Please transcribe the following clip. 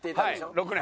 ６年。